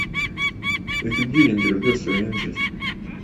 Reka ibyiringiro byose winjiye